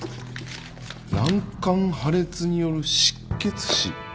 「卵管破裂による失血死」